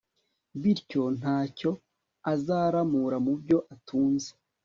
bityo nta cyo azaramura mu byo atunze